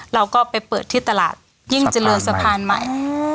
เราก็ไปเปิดที่ตลาดยิ่งเจริญสะพานใหม่